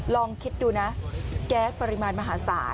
ลองคิดดูนะแก๊สปริมาณมหาศาล